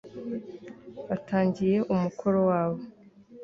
batangiye umukoro wabo